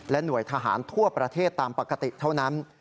หน่วยทหารทั่วประเทศตามปกติเท่านั้น